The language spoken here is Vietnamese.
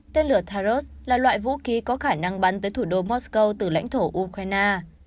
tên lửa tarros là loại vũ ký có khả năng bắn tới thủ đô moscow từ lãnh thổ ukraine